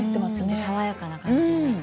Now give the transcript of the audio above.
爽やかな感じに。